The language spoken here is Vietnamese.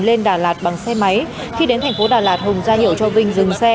lên đà lạt bằng xe máy khi đến thành phố đà lạt hùng ra hiểu cho vinh dừng xe